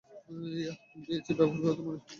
Yeah, কিন্তু এই chip ব্যাবহার করে তো মানুষও খুন করা হয়।